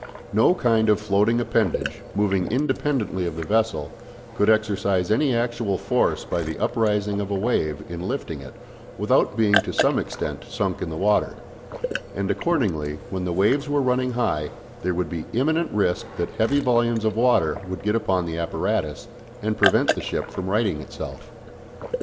No kind of floating appendage, moving independently of the vessel, could exercise any actual force by the uprising of a wave in lifting it without being to some extent sunk in the water; and, accordingly, when the waves were running high there would be imminent risk that heavy volumes of water would get upon the apparatus and prevent the ship from righting itself.